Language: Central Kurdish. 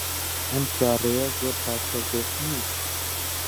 ئەم شاڕێیە زۆر پایسکل دۆست نییە.